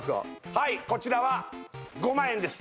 はいこちらは５万円です